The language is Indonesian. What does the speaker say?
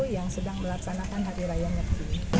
yang sedang melaksanakan hari raya nyepi